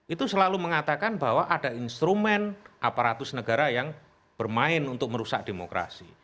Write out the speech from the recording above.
itu selalu mengatakan bahwa ada instrumen aparatus negara yang bermain untuk merusak demokrasi